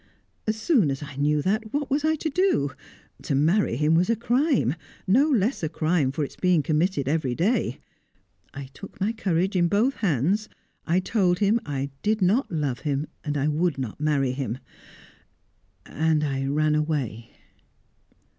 As soon as I knew that what was I to do? To marry him was a crime no less a crime for its being committed every day. I took my courage in both hands. I told him I did not love him, I would not marry him. And I ran away."